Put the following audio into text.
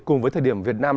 cùng với thời điểm việt nam